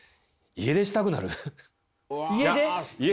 家出したくなる？